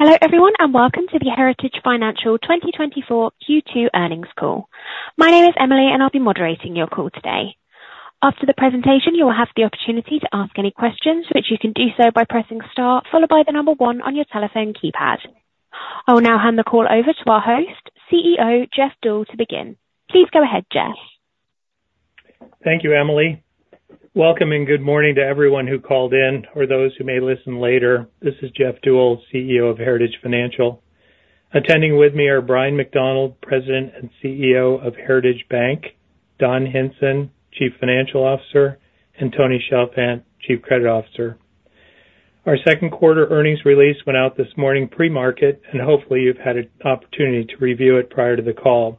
Hello everyone and welcome to the Heritage Financial 2024 Q2 Earnings Call. My name is Emily and I'll be moderating your call today. After the presentation, you will have the opportunity to ask any questions, which you can do so by pressing star followed by the number one on your telephone keypad. I will now hand the call over to our host, CEO Jeff Deuel, to begin. Please go ahead, Jeff. Thank you, Emily. Welcome and good morning to everyone who called in or those who may listen later. This is Jeff Deuel, CEO of Heritage Financial. Attending with me are Bryan McDonald, President and CEO of Heritage Bank; Don Hinson, Chief Financial Officer; and Tony Chalfant, Chief Credit Officer. Our second quarter earnings release went out this morning pre-market, and hopefully you've had an opportunity to review it prior to the call.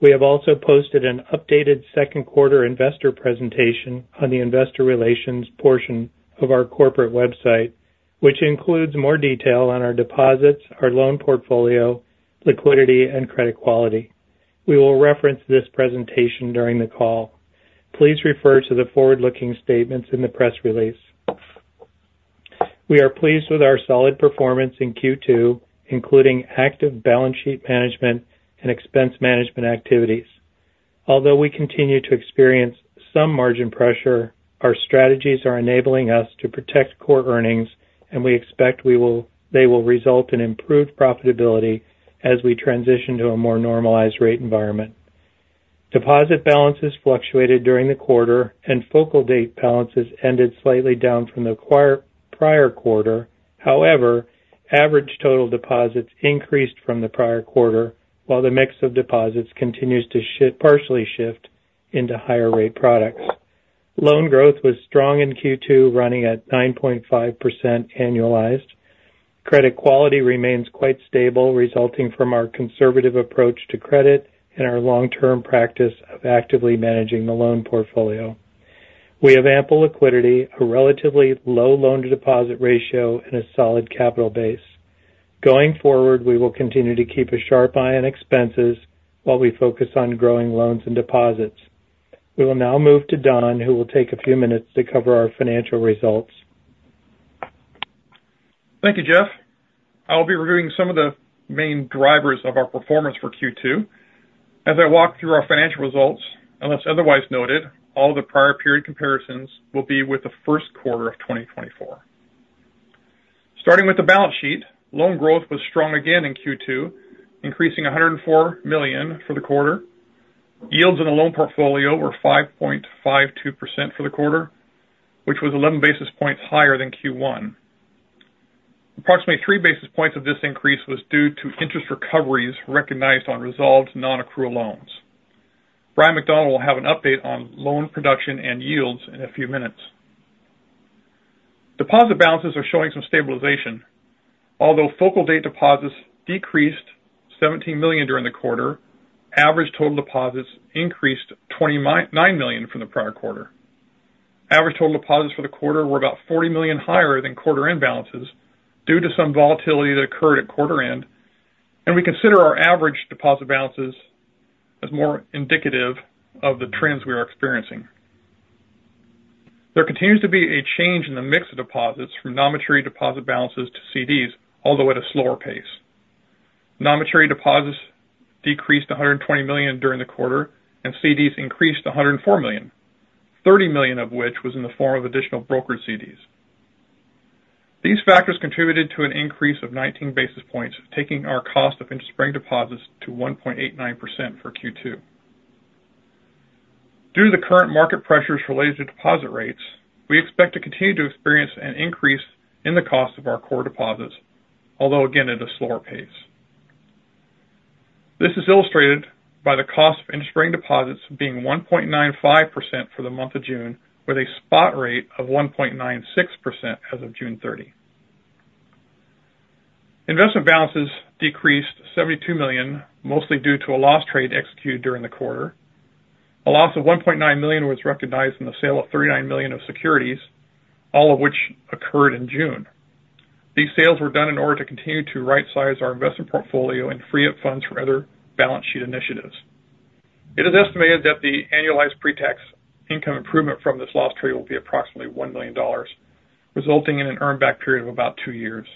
We have also posted an updated second quarter investor presentation on the investor relations portion of our corporate website, which includes more detail on our deposits, our loan portfolio, liquidity, and credit quality. We will reference this presentation during the call. Please refer to the forward-looking statements in the press release. We are pleased with our solid performance in Q2, including active balance sheet management and expense management activities. Although we continue to experience some margin pressure, our strategies are enabling us to protect core earnings, and we expect they will result in improved profitability as we transition to a more normalized rate environment. Deposit balances fluctuated during the quarter, and focal date balances ended slightly down from the prior quarter. However, average total deposits increased from the prior quarter, while the mix of deposits continues to partially shift into higher rate products. Loan growth was strong in Q2, running at 9.5% annualized. Credit quality remains quite stable, resulting from our conservative approach to credit and our long-term practice of actively managing the loan portfolio. We have ample liquidity, a relatively low loan-to-deposit ratio, and a solid capital base. Going forward, we will continue to keep a sharp eye on expenses while we focus on growing loans and deposits. We will now move to Don, who will take a few minutes to cover our financial results. Thank you, Jeff. I'll be reviewing some of the main drivers of our performance for Q2. As I walk through our financial results, unless otherwise noted, all the prior period comparisons will be with the first quarter of 2024. Starting with the balance sheet, loan growth was strong again in Q2, increasing $104 million for the quarter. Yields in the loan portfolio were 5.52% for the quarter, which was 11 basis points higher than Q1. Approximately 3 basis points of this increase was due to interest recoveries recognized on resolved non-accrual loans. Bryan McDonald will have an update on loan production and yields in a few minutes. Deposit balances are showing some stabilization. Although focal date deposits decreased $17 million during the quarter, average total deposits increased $29 million from the prior quarter. Average total deposits for the quarter were about $40 million higher than quarter-end balances due to some volatility that occurred at quarter-end, and we consider our average deposit balances as more indicative of the trends we are experiencing. There continues to be a change in the mix of deposits from non-maturity deposit balances to CDs, although at a slower pace. Non-maturity deposits decreased $120 million during the quarter, and CDs increased $104 million, $30 million of which was in the form of additional brokered CDs. These factors contributed to an increase of 19 basis points, taking our cost of interest-bearing deposits to 1.89% for Q2. Due to the current market pressures related to deposit rates, we expect to continue to experience an increase in the cost of our core deposits, although again at a slower pace. This is illustrated by the cost of interest-bearing deposits being 1.95% for the month of June, with a spot rate of 1.96% as of June 30. Investment balances decreased $72 million, mostly due to a loss trade executed during the quarter. A loss of $1.9 million was recognized in the sale of $39 million of securities, all of which occurred in June. These sales were done in order to continue to right-size our investment portfolio and free up funds for other balance sheet initiatives. It is estimated that the annualized pre-tax income improvement from this loss trade will be approximately $1 million, resulting in an earnback period of about two years.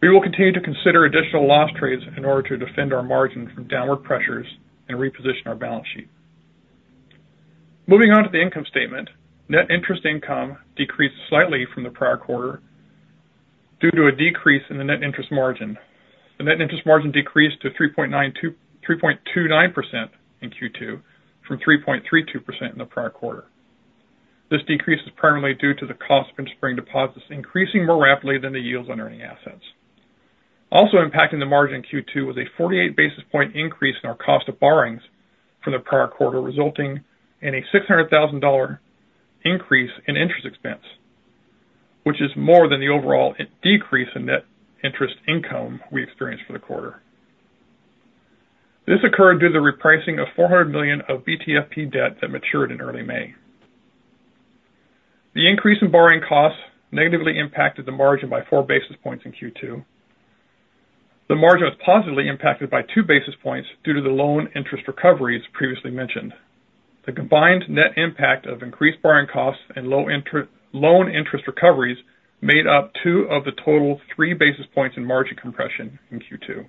We will continue to consider additional loss trades in order to defend our margin from downward pressures and reposition our balance sheet. Moving on to the income statement, net interest income decreased slightly from the prior quarter due to a decrease in the net interest margin. The net interest margin decreased to 3.29% in Q2, from 3.32% in the prior quarter. This decrease is primarily due to the cost of interest-bearing deposits increasing more rapidly than the yields on earning assets. Also impacting the margin in Q2 was a 48 basis points increase in our cost of borrowings from the prior quarter, resulting in a $600,000 increase in interest expense, which is more than the overall decrease in net interest income we experienced for the quarter. This occurred due to the repricing of $400 million of BTFP debt that matured in early May. The increase in borrowing costs negatively impacted the margin by four basis points in Q2. The margin was positively impacted by two basis points due to the loan interest recoveries previously mentioned. The combined net impact of increased borrowing costs and low interest recoveries made up two of the total three basis points in margin compression in Q2.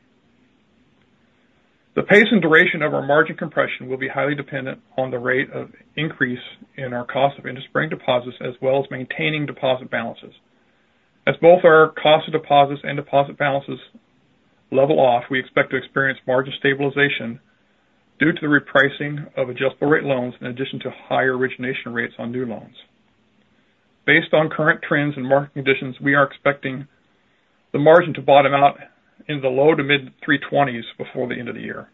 The pace and duration of our margin compression will be highly dependent on the rate of increase in our cost of interest-bearing deposits, as well as maintaining deposit balances. As both our cost of deposits and deposit balances level off, we expect to experience margin stabilization due to the repricing of adjustable rate loans, in addition to higher origination rates on new loans. Based on current trends and market conditions, we are expecting the margin to bottom out in the low to mid-3.20s before the end of the year.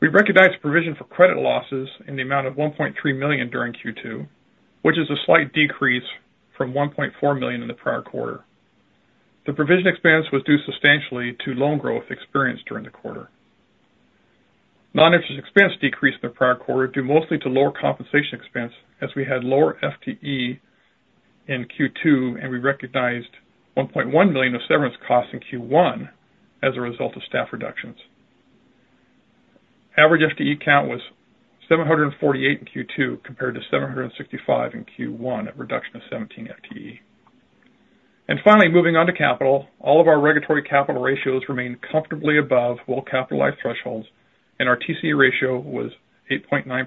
We recognize the provision for credit losses in the amount of $1.3 million during Q2, which is a slight decrease from $1.4 million in the prior quarter. The provision expense was due substantially to loan growth experienced during the quarter. Non-interest expense decreased in the prior quarter due mostly to lower compensation expense, as we had lower FTE in Q2, and we recognized $1.1 million of severance costs in Q1 as a result of staff reductions. Average FTE count was 748 in Q2, compared to 765 in Q1 at a reduction of 17 FTE. Finally, moving on to capital, all of our regulatory capital ratios remain comfortably above well-capitalized thresholds, and our TCE ratio was 8.9%,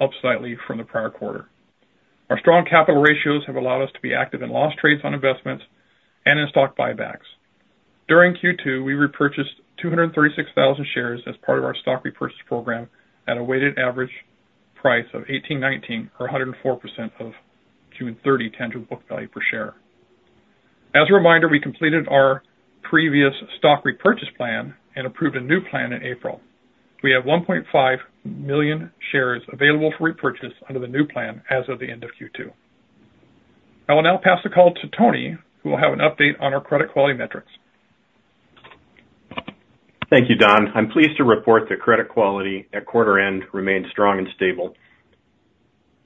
up slightly from the prior quarter. Our strong capital ratios have allowed us to be active in loss trades on investments and in stock buybacks. During Q2, we repurchased 236,000 shares as part of our stock repurchase program at a weighted average price of $18.19, or 104% of June 30 tangible book value per share. As a reminder, we completed our previous stock repurchase plan and approved a new plan in April. We have 1.5 million shares available for repurchase under the new plan as of the end of Q2. I will now pass the call to Tony, who will have an update on our credit quality metrics. Thank you, Don. I'm pleased to report that credit quality at quarter-end remained strong and stable.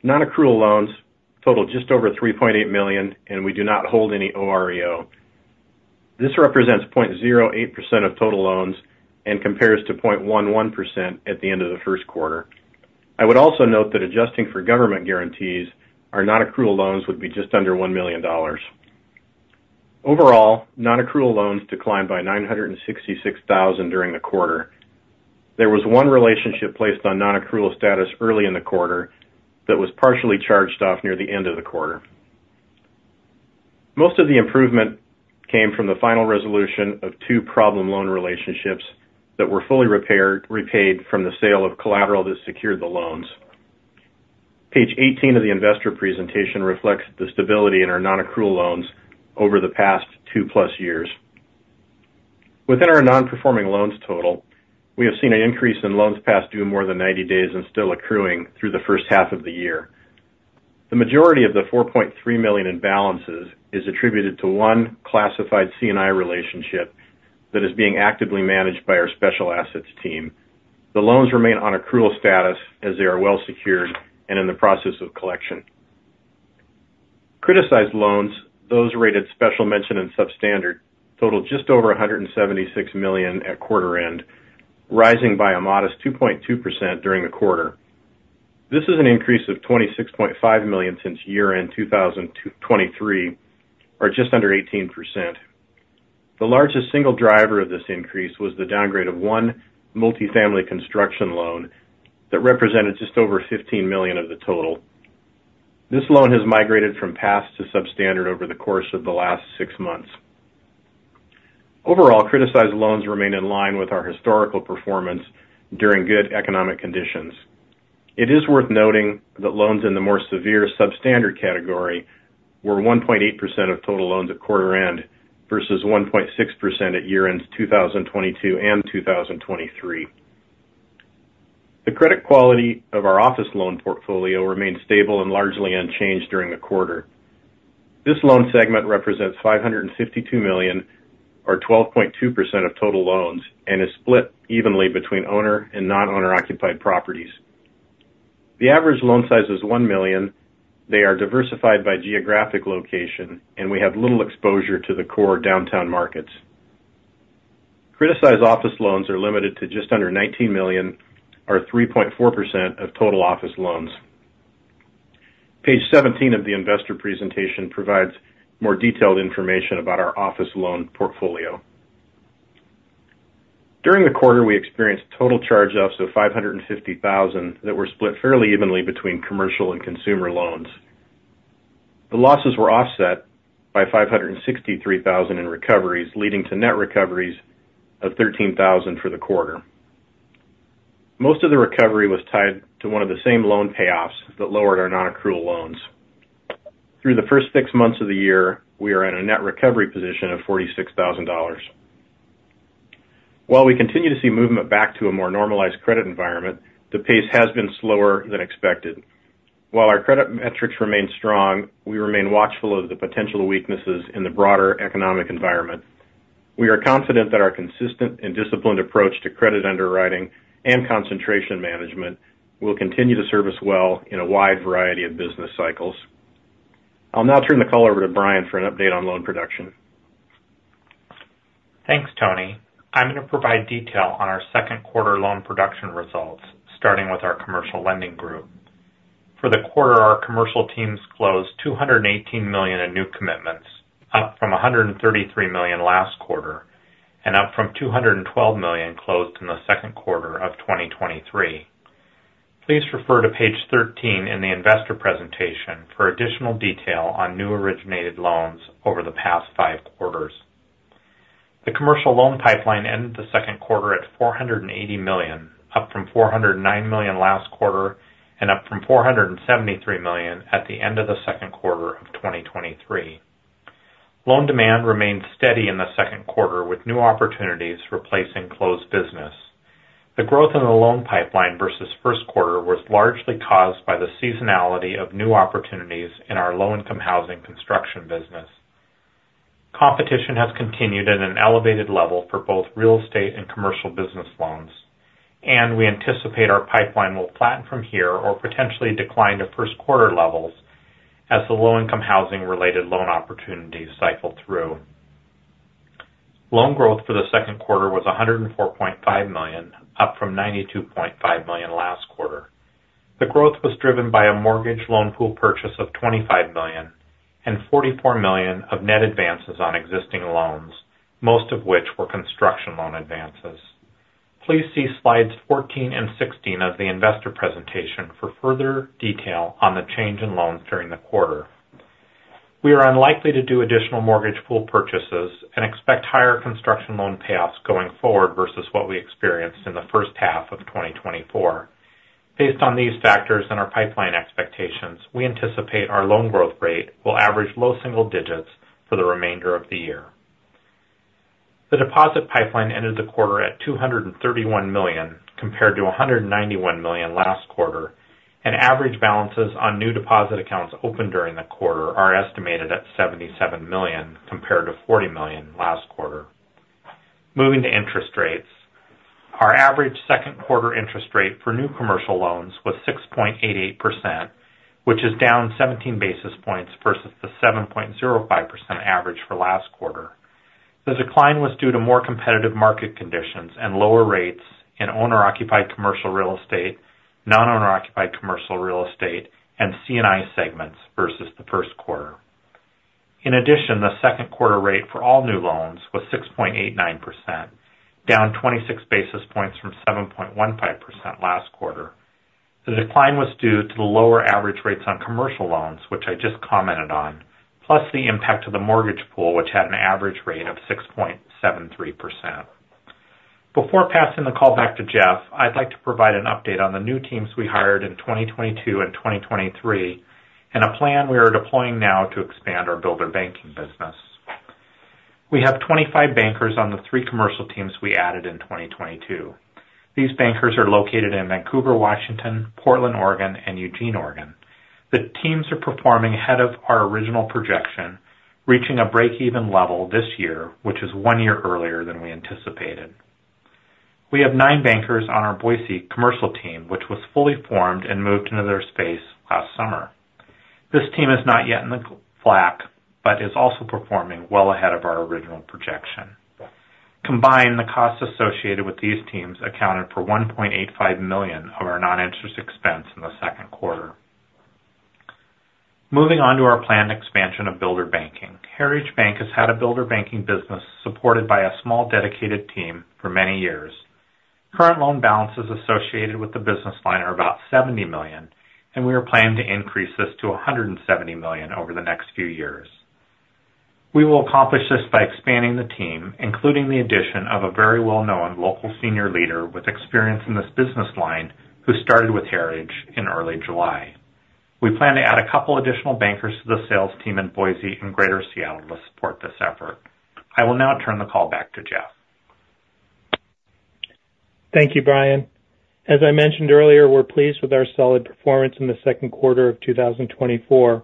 Non-accrual loans total just over $3.8 million, and we do not hold any OREO. This represents 0.08% of total loans and compares to 0.11% at the end of the first quarter. I would also note that adjusting for government guarantees, our non-accrual loans would be just under $1 million. Overall, non-accrual loans declined by $966,000 during the quarter. There was one relationship placed on non-accrual status early in the quarter that was partially charged off near the end of the quarter. Most of the improvement came from the final resolution of two problem loan relationships that were fully repaid from the sale of collateral that secured the loans. Page 18 of the investor presentation reflects the stability in our non-accrual loans over the past two-plus years. Within our non-performing loans total, we have seen an increase in loans past due more than 90 days and still accruing through the first half of the year. The majority of the $4.3 million in balances is attributed to one classified C&I relationship that is being actively managed by our special assets team. The loans remain on accrual status as they are well-secured and in the process of collection. Criticized loans, those rated special mention and substandard, totaled just over $176 million at quarter-end, rising by a modest 2.2% during the quarter. This is an increase of $26.5 million since year-end 2023, or just under 18%. The largest single driver of this increase was the downgrade of one multi-family construction loan that represented just over $15 million of the total. This loan has migrated from past to substandard over the course of the last six months. Overall, criticized loans remain in line with our historical performance during good economic conditions. It is worth noting that loans in the more severe substandard category were 1.8% of total loans at quarter-end versus 1.6% at year-end 2022 and 2023. The credit quality of our office loan portfolio remained stable and largely unchanged during the quarter. This loan segment represents $552 million, or 12.2% of total loans, and is split evenly between owner and non-owner-occupied properties. The average loan size is $1 million. They are diversified by geographic location, and we have little exposure to the core downtown markets. Criticized office loans are limited to just under $19 million, or 3.4% of total office loans. Page 17 of the investor presentation provides more detailed information about our office loan portfolio. During the quarter, we experienced total charge-offs of $550,000 that were split fairly evenly between commercial and consumer loans. The losses were offset by $563,000 in recoveries, leading to net recoveries of $13,000 for the quarter. Most of the recovery was tied to one of the same loan payoffs that lowered our non-accrual loans. Through the first six months of the year, we are in a net recovery position of $46,000. While we continue to see movement back to a more normalized credit environment, the pace has been slower than expected. While our credit metrics remain strong, we remain watchful of the potential weaknesses in the broader economic environment. We are confident that our consistent and disciplined approach to credit underwriting and concentration management will continue to serve well in a wide variety of business cycles. I'll now turn the call over to Bryan for an update on loan production. Thanks, Tony. I'm going to provide detail on our second quarter loan production results, starting with our commercial lending group. For the quarter, our commercial teams closed $218 million in new commitments, up from $133 million last quarter and up from $212 million closed in the second quarter of 2023. Please refer to page 13 in the investor presentation for additional detail on new originated loans over the past five quarters. The commercial loan pipeline ended the second quarter at $480 million, up from $409 million last quarter and up from $473 million at the end of the second quarter of 2023. Loan demand remained steady in the second quarter, with new opportunities replacing closed business. The growth in the loan pipeline versus first quarter was largely caused by the seasonality of new opportunities in our low-income housing construction business. Competition has continued at an elevated level for both real estate and commercial business loans, and we anticipate our pipeline will flatten from here or potentially decline to first quarter levels as the low-income housing-related loan opportunities cycle through. Loan growth for the second quarter was $104.5 million, up from $92.5 million last quarter. The growth was driven by a mortgage loan pool purchase of $25 million and $44 million of net advances on existing loans, most of which were construction loan advances. Please see slides 14 and 16 of the investor presentation for further detail on the change in loans during the quarter. We are unlikely to do additional mortgage pool purchases and expect higher construction loan payoffs going forward versus what we experienced in the first half of 2024. Based on these factors and our pipeline expectations, we anticipate our loan growth rate will average low single digits for the remainder of the year. The deposit pipeline ended the quarter at $231 million, compared to $191 million last quarter, and average balances on new deposit accounts opened during the quarter are estimated at $77 million, compared to $40 million last quarter. Moving to interest rates, our average second quarter interest rate for new commercial loans was 6.88%, which is down 17 basis points versus the 7.05% average for last quarter. The decline was due to more competitive market conditions and lower rates in owner-occupied commercial real estate, non-owner-occupied commercial real estate, and C&I segments versus the first quarter. In addition, the second quarter rate for all new loans was 6.89%, down 26 basis points from 7.15% last quarter. The decline was due to the lower average rates on commercial loans, which I just commented on, plus the impact of the mortgage pool, which had an average rate of 6.73%. Before passing the call back to Jeff, I'd like to provide an update on the new teams we hired in 2022 and 2023 and a plan we are deploying now to expand our builder banking business. We have 25 bankers on the three commercial teams we added in 2022. These bankers are located in Vancouver, Washington, Portland, Oregon, and Eugene, Oregon. The teams are performing ahead of our original projection, reaching a break-even level this year, which is 1 year earlier than we anticipated. We have 9 bankers on our Boise commercial team, which was fully formed and moved into their space last summer. This team is not yet in the black but is also performing well ahead of our original projection. Combined, the costs associated with these teams accounted for $1.85 million of our non-interest expense in the second quarter. Moving on to our planned expansion of builder banking, Heritage Bank has had a builder banking business supported by a small dedicated team for many years. Current loan balances associated with the business line are about $70 million, and we are planning to increase this to $170 million over the next few years. We will accomplish this by expanding the team, including the addition of a very well-known local senior leader with experience in this business line who started with Heritage in early July. We plan to add a couple of additional bankers to the sales team in Boise and greater Seattle to support this effort. I will now turn the call back to Jeff. Thank you, Bryan. As I mentioned earlier, we're pleased with our solid performance in the second quarter of 2024.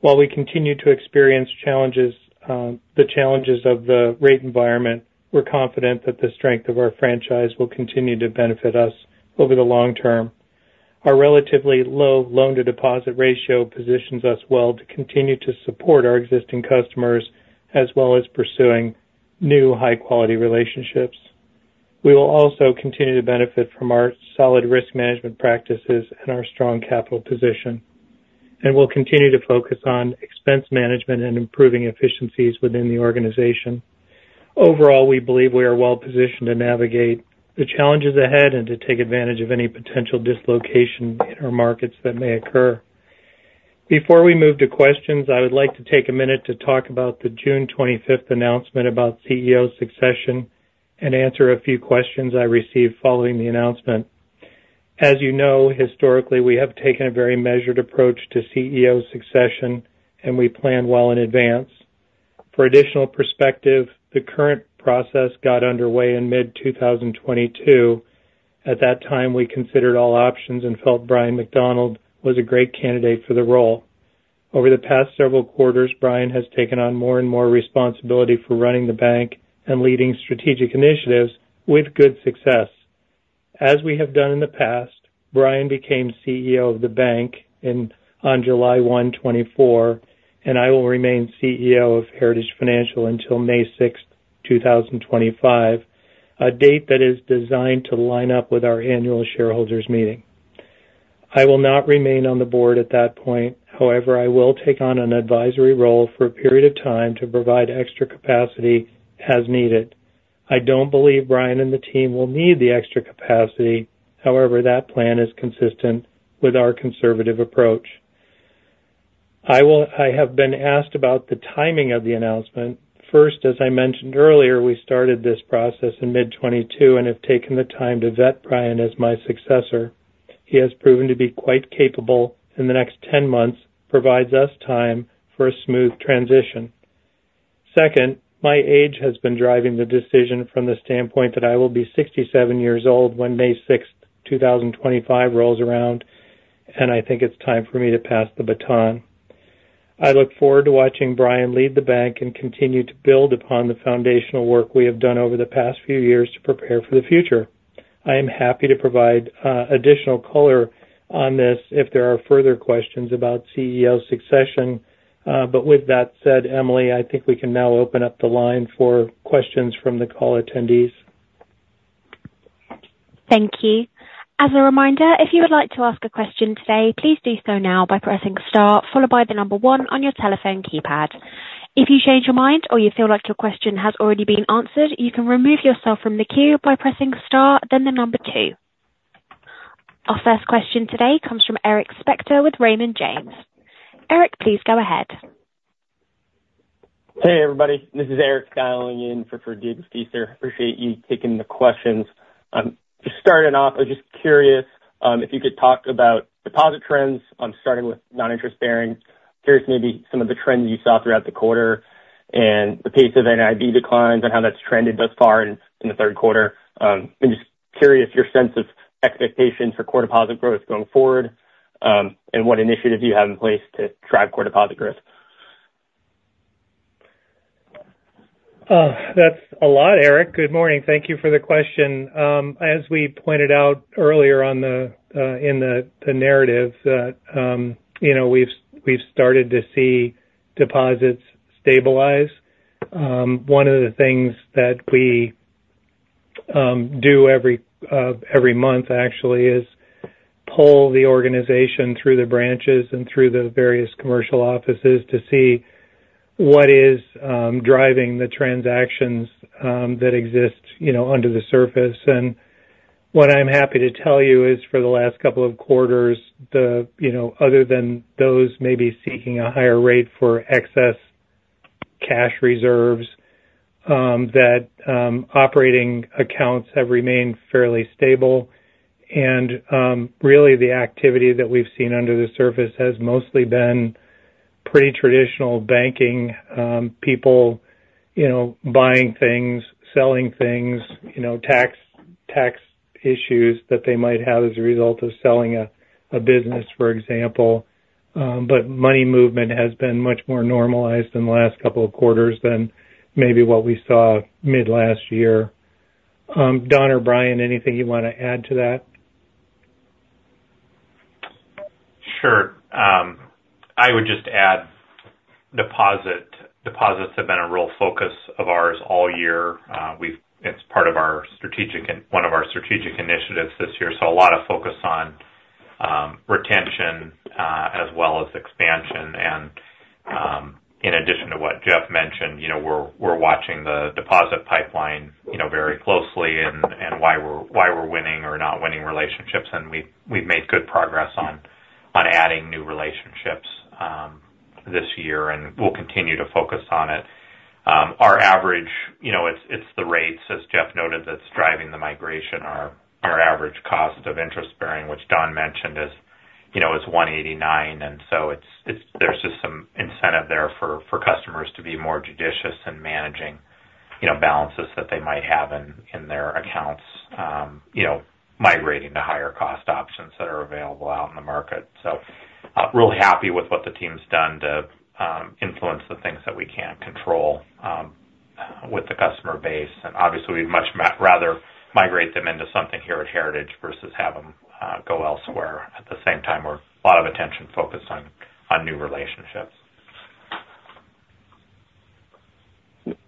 While we continue to experience the challenges of the rate environment, we're confident that the strength of our franchise will continue to benefit us over the long term. Our relatively low loan-to-deposit ratio positions us well to continue to support our existing customers as well as pursuing new high-quality relationships. We will also continue to benefit from our solid risk management practices and our strong capital position, and we'll continue to focus on expense management and improving efficiencies within the organization. Overall, we believe we are well-positioned to navigate the challenges ahead and to take advantage of any potential dislocation in our markets that may occur. Before we move to questions, I would like to take a minute to talk about the June 25th announcement about CEO succession and answer a few questions I received following the announcement. As you know, historically, we have taken a very measured approach to CEO succession, and we planned well in advance. For additional perspective, the current process got underway in mid-2022. At that time, we considered all options and felt Bryan McDonald was a great candidate for the role. Over the past several quarters, Bryan has taken on more and more responsibility for running the bank and leading strategic initiatives with good success. As we have done in the past, Bryan became CEO of the bank on July 1, 2024, and I will remain CEO of Heritage Financial until May 6th, 2025, a date that is designed to line up with our annual shareholders' meeting. I will not remain on the board at that point. However, I will take on an advisory role for a period of time to provide extra capacity as needed. I don't believe Bryan and the team will need the extra capacity. However, that plan is consistent with our conservative approach. I have been asked about the timing of the announcement. First, as I mentioned earlier, we started this process in mid-2022 and have taken the time to vet Bryan as my successor. He has proven to be quite capable in the next 10 months, provides us time for a smooth transition. Second, my age has been driving the decision from the standpoint that I will be 67 years old when May 6th, 2025, rolls around, and I think it's time for me to pass the baton. I look forward to watching Bryan lead the bank and continue to build upon the foundational work we have done over the past few years to prepare for the future. I am happy to provide additional color on this if there are further questions about CEO succession. But with that said, Emily, I think we can now open up the line for questions from the call attendees. Thank you. As a reminder, if you would like to ask a question today, please do so now by pressing star, followed by the number one on your telephone keypad. If you change your mind or you feel like your question has already been answered, you can remove yourself from the queue by pressing star, then the number two. Our first question today comes from Eric Spector with Raymond James. Eric, please go ahead. Hey, everybody. This is Eric dialing in for David Feaster. I appreciate you taking the questions. Just starting off, I was just curious if you could talk about deposit trends, starting with non-interest bearing. Curious maybe some of the trends you saw throughout the quarter and the pace of NIB declines and how that's trended thus far in the third quarter. Just curious your sense of expectations for core deposit growth going forward and what initiatives you have in place to drive core deposit growth. That's a lot, Eric. Good morning. Thank you for the question. As we pointed out earlier in the narrative, we've started to see deposits stabilize. One of the things that we do every month, actually, is pull the organization through the branches and through the various commercial offices to see what is driving the transactions that exist under the surface. And what I'm happy to tell you is for the last couple of quarters, other than those maybe seeking a higher rate for excess cash reserves, that operating accounts have remained fairly stable. And really, the activity that we've seen under the surface has mostly been pretty traditional banking people buying things, selling things, tax issues that they might have as a result of selling a business, for example. But money movement has been much more normalized in the last couple of quarters than maybe what we saw mid-last year. Don or Bryan, anything you want to add to that? Sure. I would just add deposits have been a real focus of ours all year. It's part of one of our strategic initiatives this year. So a lot of focus on retention as well as expansion. And in addition to what Jeff mentioned, we're watching the deposit pipeline very closely and why we're winning or not winning relationships. And we've made good progress on adding new relationships this year and will continue to focus on it. Our average, it's the rates, as Jeff noted, that's driving the migration. Our average cost of interest bearing, which Don mentioned, is 1.89%. And so there's just some incentive there for customers to be more judicious in managing balances that they might have in their accounts, migrating to higher cost options that are available out in the market. Really happy with what the team's done to influence the things that we can't control with the customer base. Obviously, we'd much rather migrate them into something here at Heritage versus have them go elsewhere. At the same time, we're a lot of attention focused on new relationships.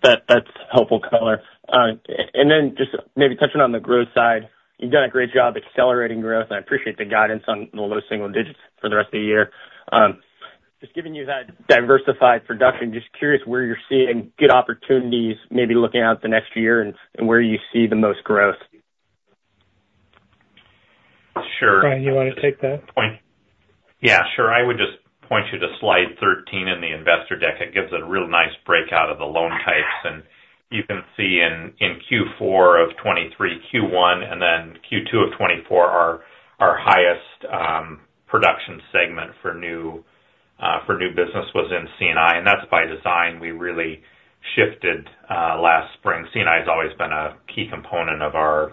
That's helpful, Bryan. And then just maybe touching on the growth side, you've done a great job accelerating growth. I appreciate the guidance on the low single digits for the rest of the year. Just giving you that diversified production, just curious where you're seeing good opportunities, maybe looking out the next year and where you see the most growth? Sure. Bryan, you want to take that? Yeah, sure. I would just point you to slide 13 in the investor deck. It gives a real nice break out of the loan types. And you can see in Q4 of 2023, Q1, and then Q2 of 2024, our highest production segment for new business was in C&I. And that's by design. We really shifted last spring. C&I has always been a key component of our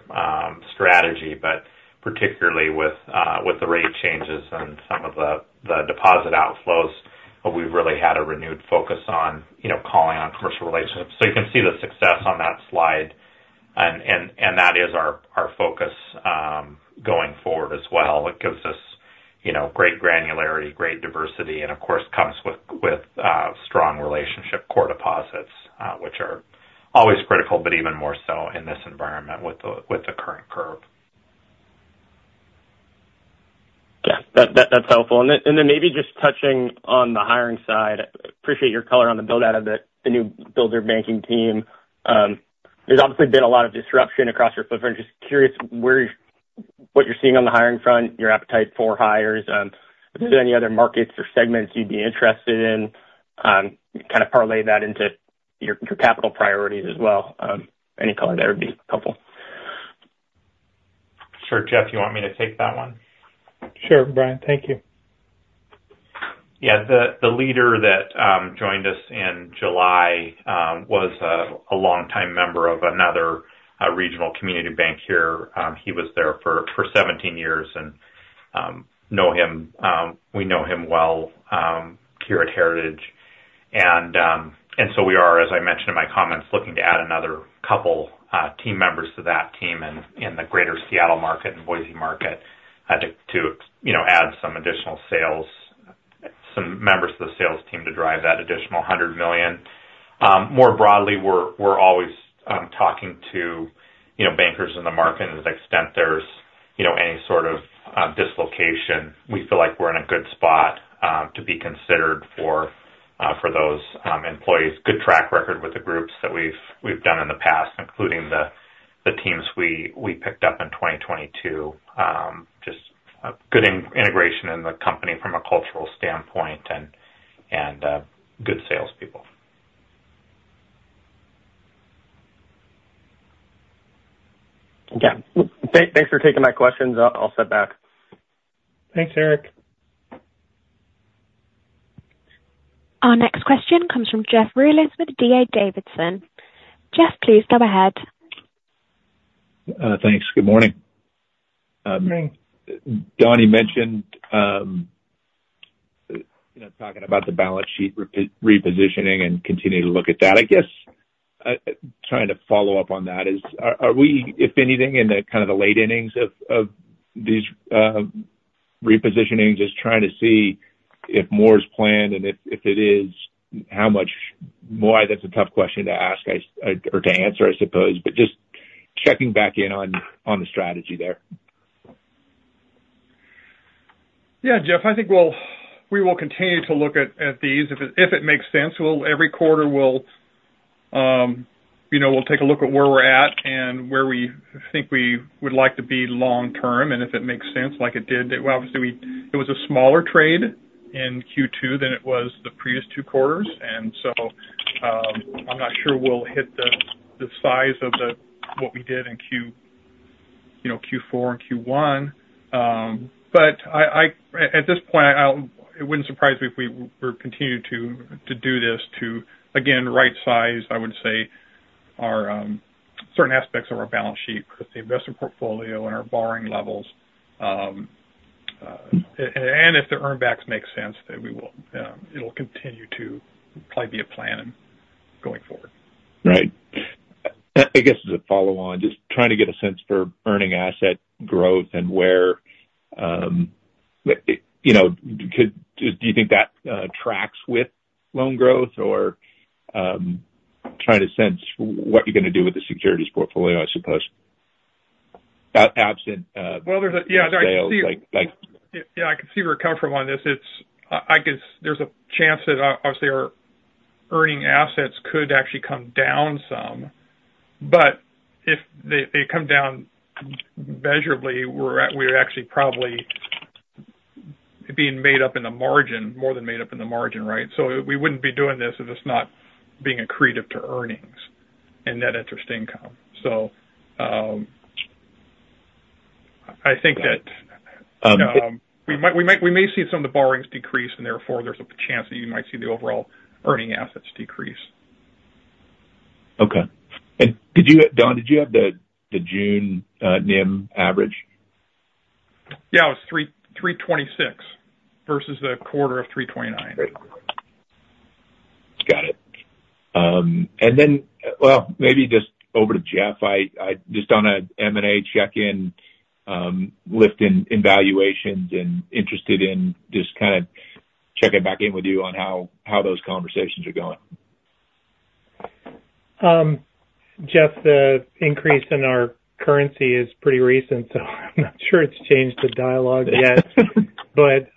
strategy, but particularly with the rate changes and some of the deposit outflows, we've really had a renewed focus on calling on commercial relationships. So you can see the success on that slide. And that is our focus going forward as well. It gives us great granularity, great diversity, and of course, comes with strong relationship core deposits, which are always critical, but even more so in this environment with the current curve. Yeah, that's helpful. And then maybe just touching on the hiring side, appreciate your color on the build-out of the new builder banking team. There's obviously been a lot of disruption across your footprint. Just curious what you're seeing on the hiring front, your appetite for hires. If there's any other markets or segments you'd be interested in, kind of parlay that into your capital priorities as well. Any color there would be helpful. Sure. Jeff, you want me to take that one? Sure, Bryan. Thank you. Yeah. The leader that joined us in July was a longtime member of another regional community bank here. He was there for 17 years, and we know him well here at Heritage. And so we are, as I mentioned in my comments, looking to add another couple team members to that team in the greater Seattle market and Boise market to add some additional sales, some members of the sales team to drive that additional $100 million. More broadly, we're always talking to bankers in the market and to the extent there's any sort of dislocation. We feel like we're in a good spot to be considered for those employees. Good track record with the groups that we've done in the past, including the teams we picked up in 2022. Just good integration in the company from a cultural standpoint and good salespeople. Okay. Thanks for taking my questions. I'll step back. Thanks, Eric. Our next question comes from Jeff Rulis with D.A. Davidson. Jeff, please go ahead. Thanks. Good morning. Good morning. Don mentioned talking about the balance sheet repositioning and continuing to look at that. I guess trying to follow up on that is, are we, if anything, in the kind of the late innings of these repositionings, just trying to see if more is planned? And if it is, how much more? That's a tough question to ask or to answer, I suppose, but just checking back in on the strategy there. Yeah, Jeff, I think we will continue to look at these. If it makes sense, every quarter we'll take a look at where we're at and where we think we would like to be long-term. And if it makes sense, like it did, obviously, it was a smaller trade in Q2 than it was the previous two quarters. And so I'm not sure we'll hit the size of what we did in Q4 and Q1. But at this point, it wouldn't surprise me if we were continuing to do this to, again, right-size, I would say, certain aspects of our balance sheet with the investor portfolio and our borrowing levels. And if the earning assets make sense, it'll continue to probably be a plan going forward. Right. I guess as a follow-on, just trying to get a sense for earning asset growth and where do you think that tracks with loan growth or trying to sense what you're going to do with the securities portfolio, I suppose, absent of sales. Well, yeah, I can see where you're coming from on this. I guess there's a chance that, obviously, our earning assets could actually come down some. But if they come down measurably, we're actually probably being made up in the margin, more than made up in the margin, right? So we wouldn't be doing this if it's not being accretive to earnings and net interest income. So I think that we may see some of the borrowings decrease, and therefore, there's a chance that you might see the overall earning assets decrease. Okay. And Don, did you have the June NIM average? Yeah, it was 3.26% versus a quarter of 3.29% Got it. And then, well, maybe just over to Jeff. Just on an M&A check-in, lift in valuations, and interested in just kind of checking back in with you on how those conversations are going. Jeff, the increase in our currency is pretty recent, so I'm not sure it's changed the dialogue yet. But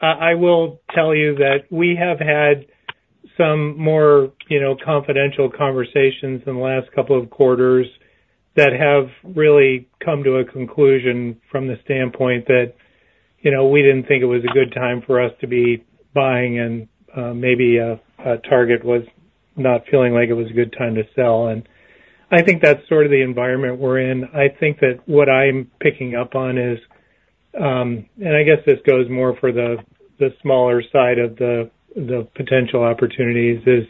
I will tell you that we have had some more confidential conversations in the last couple of quarters that have really come to a conclusion from the standpoint that we didn't think it was a good time for us to be buying, and maybe a target was not feeling like it was a good time to sell. And I think that's sort of the environment we're in. I think that what I'm picking up on is, and I guess this goes more for the smaller side of the potential opportunities, is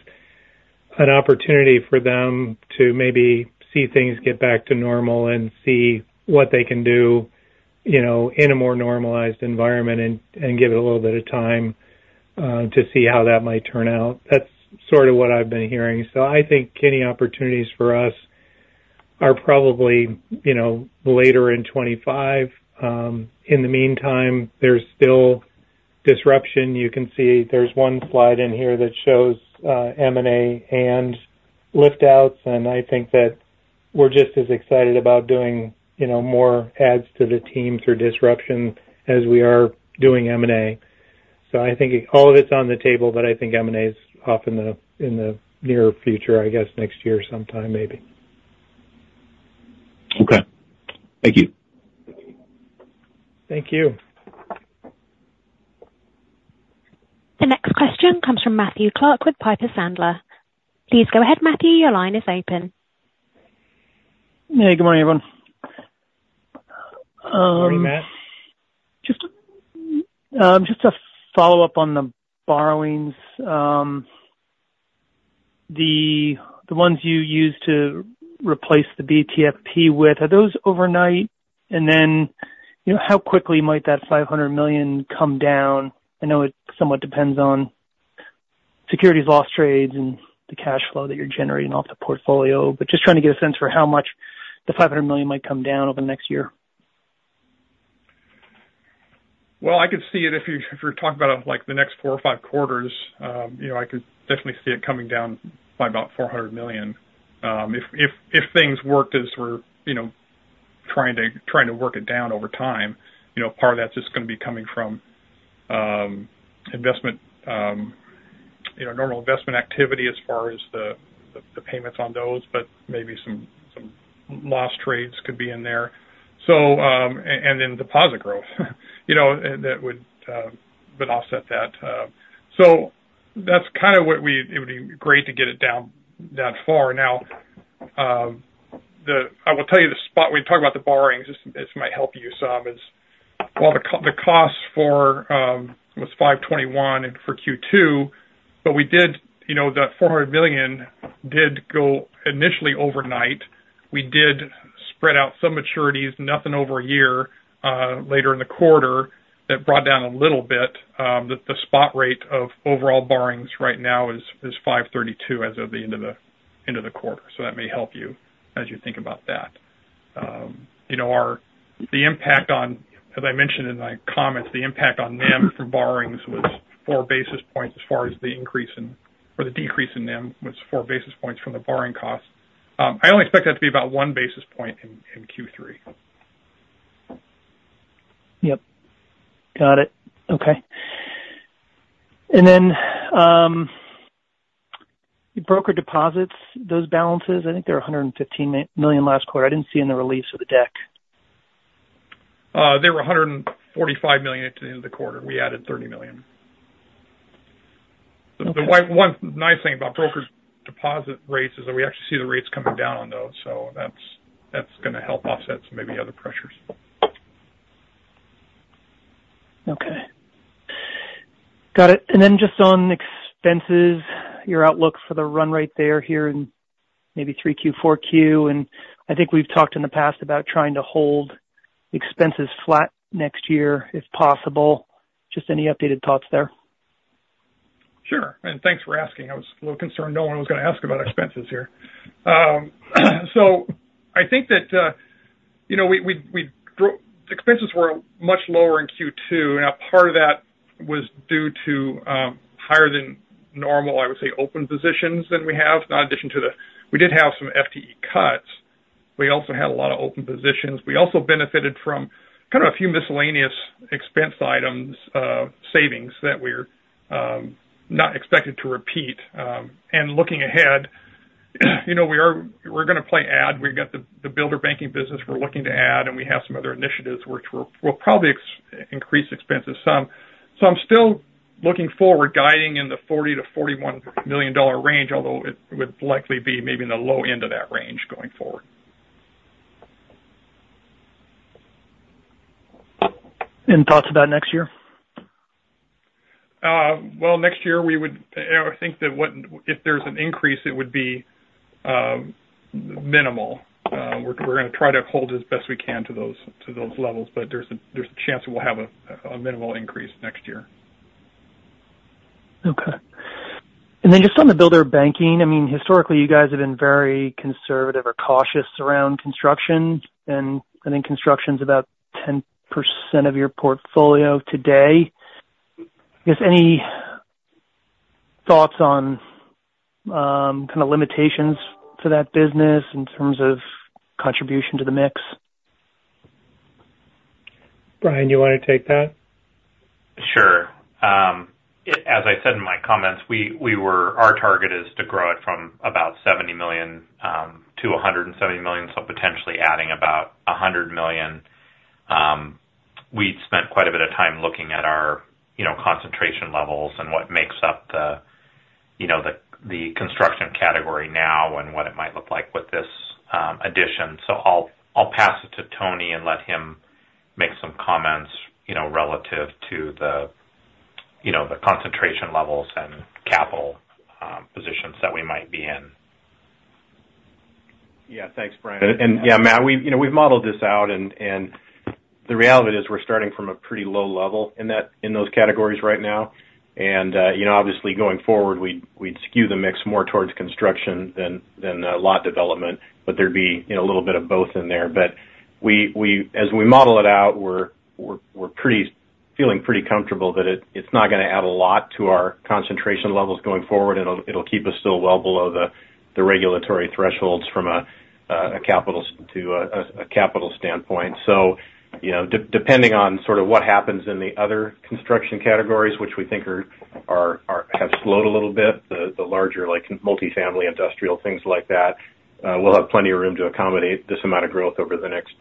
an opportunity for them to maybe see things get back to normal and see what they can do in a more normalized environment and give it a little bit of time to see how that might turn out. That's sort of what I've been hearing. So I think any opportunities for us are probably later in 2025. In the meantime, there's still disruption. You can see there's one slide in here that shows M&A and lift-outs. And I think that we're just as excited about doing more adds to the team through disruption as we are doing M&A. So I think all of it's on the table, but I think M&A is off in the near future, I guess, next year sometime, maybe. Okay. Thank you. Thank you. The next question comes from Matthew Clark with Piper Sandler. Please go ahead, Matthew. Your line is open. Hey, good morning, everyone. Morning, Matt. Just a follow-up on the borrowings. The ones you use to replace the BTFP with, are those overnight? And then how quickly might that $500 million come down? I know it somewhat depends on securities loss trades and the cash flow that you're generating off the portfolio, but just trying to get a sense for how much the $500 million might come down over the next year. Well, I could see it if you're talking about the next four or five quarters. I could definitely see it coming down by about $400 million if things worked as we're trying to work it down over time. Part of that's just going to be coming from normal investment activity as far as the payments on those, but maybe some loss trades could be in there. And then deposit growth that would offset that. So that's kind of what we it would be great to get it down that far. Now, I will tell you the spot we talked about the borrowings, this might help you some, is the cost for it was 5.21% for Q2, but we did that $400 million did go initially overnight. We did spread out some maturities, nothing over a year later in the quarter that brought down a little bit. The spot rate of overall borrowings right now is 5.32% as of the end of the quarter. So that may help you as you think about that. The impact on, as I mentioned in my comments, the impact on NIM from borrowings was four basis points as far as the increase or the decrease in NIM was four basis points from the borrowing cost. I only expect that to be about one basis point in Q3. Yep. Got it. Okay. And then broker deposits, those balances, I think they were $115 million last quarter. I didn't see in the release of the deck. They were $145 million at the end of the quarter. We added $30 million. The nice thing about broker deposit rates is that we actually see the rates coming down on those. So that's going to help offset some maybe other pressures. Okay. Got it. And then just on expenses, your outlook for the run rate there here in maybe 3Q, 4Q? And I think we've talked in the past about trying to hold expenses flat next year if possible. Just any updated thoughts there? Sure. And thanks for asking. I was a little concerned no one was going to ask about expenses here. So I think that our expenses were much lower in Q2. Now, part of that was due to higher than normal, I would say, open positions than we have. In addition, we did have some FTE cuts. We also had a lot of open positions. We also benefited from kind of a few miscellaneous expense items, savings that we're not expected to repeat. And looking ahead, we're going to plan to add. We've got the builder banking business we're looking to add, and we have some other initiatives which will probably increase expenses some. So I'm still looking forward, guiding in the $40 million-$41 million range, although it would likely be maybe in the low end of that range going forward. Thoughts about next year? Well, next year, I think that if there's an increase, it would be minimal. We're going to try to hold as best we can to those levels, but there's a chance we'll have a minimal increase next year. Okay. And then just on the builder banking, I mean, historically, you guys have been very conservative or cautious around construction. And I think construction is about 10% of your portfolio today. I guess any thoughts on kind of limitations for that business in terms of contribution to the mix? Bryan, you want to take that? Sure. As I said in my comments, our target is to grow it from about $70 million to $170 million, so potentially adding about $100 million. We spent quite a bit of time looking at our concentration levels and what makes up the construction category now and what it might look like with this addition. So I'll pass it to Tony and let him make some comments relative to the concentration levels and capital positions that we might be in. Yeah. Thanks, Bryan. And yeah, Matt, we've modeled this out. And the reality is we're starting from a pretty low level in those categories right now. And obviously, going forward, we'd skew the mix more towards construction than lot development, but there'd be a little bit of both in there. But as we model it out, we're feeling pretty comfortable that it's not going to add a lot to our concentration levels going forward, and it'll keep us still well below the regulatory thresholds from a capital standpoint. So depending on sort of what happens in the other construction categories, which we think have slowed a little bit, the larger multifamily industrial, things like that, we'll have plenty of room to accommodate this amount of growth over the next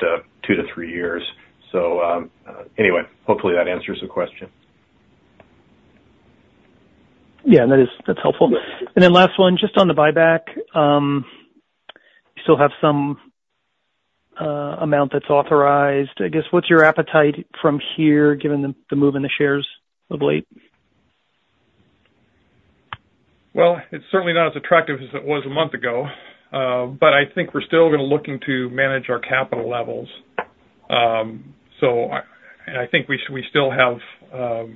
two to three years. So anyway, hopefully, that answers the question. Yeah. That's helpful. And then last one, just on the buyback, you still have some amount that's authorized. I guess what's your appetite from here given the move in the shares of late? Well, it's certainly not as attractive as it was a month ago, but I think we're still going to look to manage our capital levels. And I think we still have a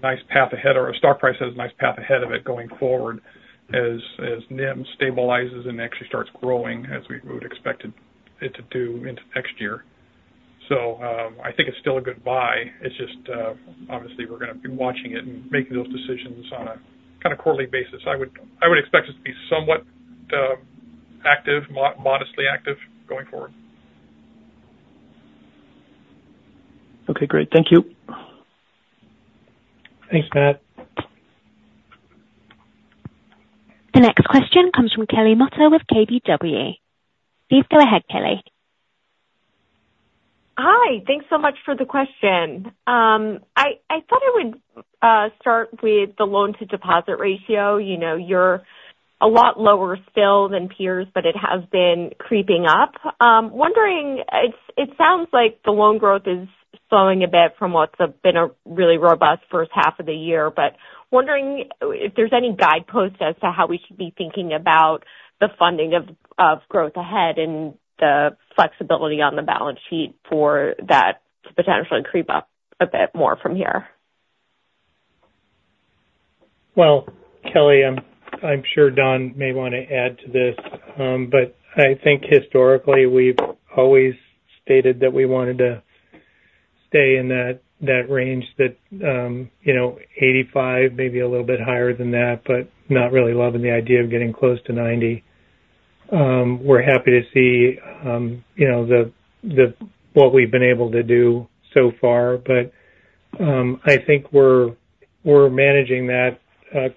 nice path ahead, our stock price has a nice path ahead of it going forward as NIM stabilizes and actually starts growing as we would expect it to do into next year. So I think it's still a good buy. It's just, obviously, we're going to be watching it and making those decisions on a kind of quarterly basis. I would expect us to be somewhat active, modestly active going forward. Okay. Great. Thank you. Thanks, Matt. The next question comes from Kelly Motta with KBW. Please go ahead, Kelly. Hi. Thanks so much for the question. I thought I would start with the loan-to-deposit ratio. You're a lot lower still than peers, but it has been creeping up. It sounds like the loan growth is slowing a bit from what's been a really robust first half of the year, but wondering if there's any guideposts as to how we should be thinking about the funding of growth ahead and the flexibility on the balance sheet for that to potentially creep up a bit more from here? Well, Kelly, I'm sure Don may want to add to this, but I think historically, we've always stated that we wanted to stay in that range, that 85%, maybe a little bit higher than that, but not really loving the idea of getting close to 90%. We're happy to see what we've been able to do so far, but I think we're managing that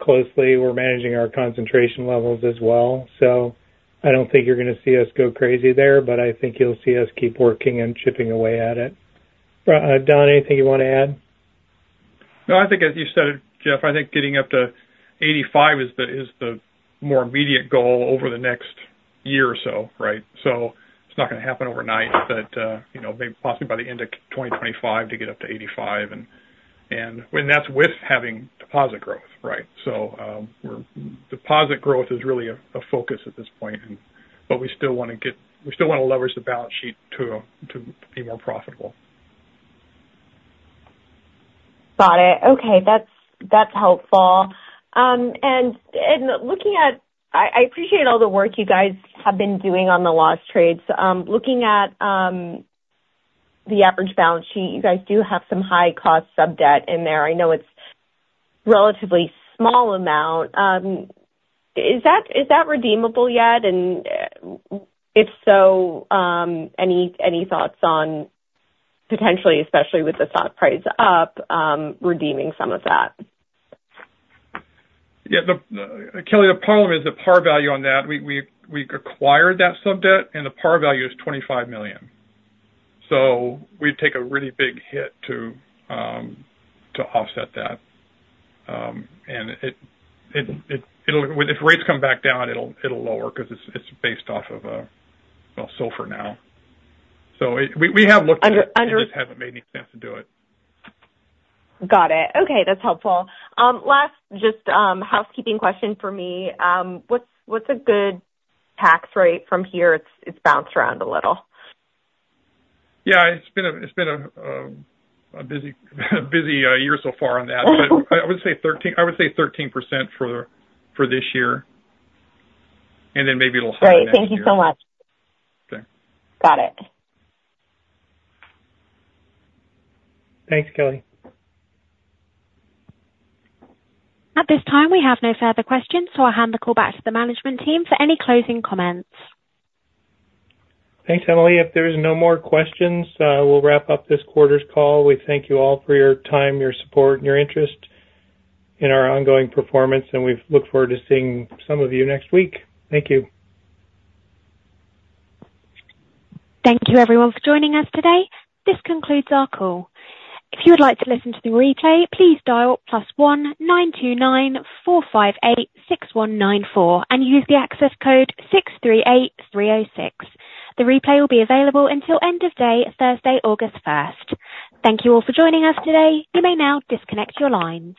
closely. We're managing our concentration levels as well. So I don't think you're going to see us go crazy there, but I think you'll see us keep working and chipping away at it. Don, anything you want to add? No, I think, as you said, Jeff, I think getting up to 85 is the more immediate goal over the next year or so, right? So it's not going to happen overnight, but maybe possibly by the end of 2025 to get up to 85. And that's with having deposit growth, right? So deposit growth is really a focus at this point, but we still want to leverage the balance sheet to be more profitable. Got it. Okay. That's helpful. And looking at, I appreciate all the work you guys have been doing on the loss trades. Looking at the average balance sheet, you guys do have some high-cost sub-debt in there. I know it's a relatively small amount. Is that redeemable yet? And if so, any thoughts on potentially, especially with the stock price up, redeeming some of that? Yeah. Kelly, the par value on that, we acquired that sub-debt, and the par value is $25 million. So we'd take a really big hit to offset that. And if rates come back down, it'll lower because it's based off of SOFR now. So we have looked at it. It just hasn't made any sense to do it. Got it. Okay. That's helpful. Last, just housekeeping question for me. What's a good tax rate from here? It's bounced around a little. Yeah. It's been a busy year SOFR on that, but I would say 13% for this year. And then maybe a little high. Great. Thank you so much. Okay. Got it. Thanks, Kelly. At this time, we have no further questions, so I'll hand the call back to the management team for any closing comments. Thanks, Emily. If there are no more questions, we'll wrap up this quarter's call. We thank you all for your time, your support, and your interest in our ongoing performance, and we look forward to seeing some of you next week. Thank you. Thank you, everyone, for joining us today. This concludes our call. If you would like to listen to the replay, please dial +1 929 458 6194 and use the access code 638306. The replay will be available until the end of day, Thursday, August 1st. Thank you all for joining us today. You may now disconnect your lines.